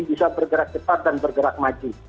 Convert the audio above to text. bisa bergerak cepat dan bergerak maju